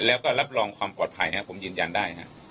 แล้วก็รับรองความปลอดภัยนะครับผมยืนยันได้ฮะ